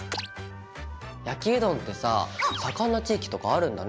焼きうどんってさぁ盛んな地域とかあるんだね！